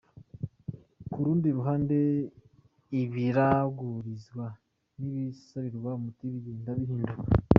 Ku rundi ruhande, ibiragurizwa n’ibisabirwa umuti bigenda bihinduka.